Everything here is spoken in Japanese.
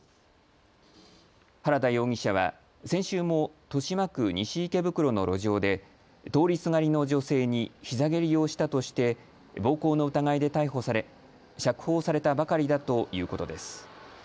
原田容疑者は先週も豊島区西池袋の路上で通りすがりの女性にひざ蹴りをしたとして暴行の疑いで逮捕され釈放されたばかりだということです。